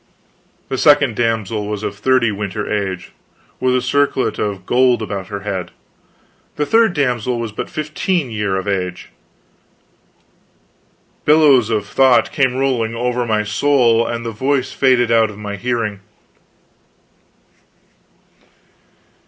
"The second damsel was of thirty winter of age, with a circlet of gold about her head. The third damsel was but fifteen year of age " Billows of thought came rolling over my soul, and the voice faded out of my hearing!